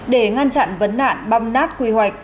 để ngăn chặn vấn nạn băm nát quy hoạch